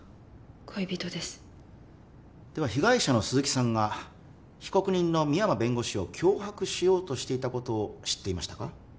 恋人ですでは被害者の鈴木さんが被告人の深山弁護士を脅迫しようとしていたことを知っていましたか？